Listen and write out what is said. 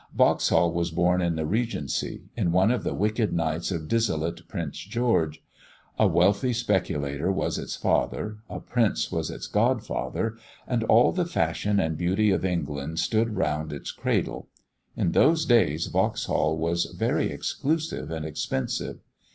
Vauxhall was born in the Regency, in one of the wicked nights of dissolute Prince George. A wealthy speculator was its father; a prince was its godfather, and all the fashion and beauty of England stood round its cradle. In those days Vauxhall was very exclusive and expensive.